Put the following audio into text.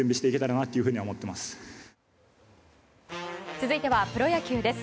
続いては、プロ野球です。